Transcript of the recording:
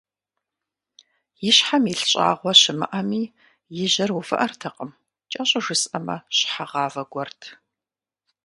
И щхьэм илъ щӀагъуэ щымыӀэми, и жьэр увыӀэртэкъым, кӀэщӀу жысӀэмэ, щхьэгъавэ гуэрт.